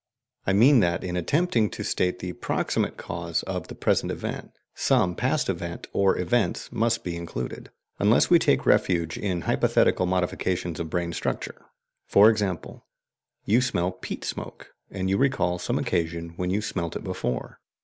I mean that, in attempting to state the PROXIMATE cause of the present event, some past event or events must be included, unless we take refuge in hypothetical modifications of brain structure. For example: you smell peat smoke, and you recall some occasion when you smelt it before.